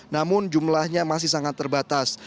namun jumlahnya masih sangat terbatas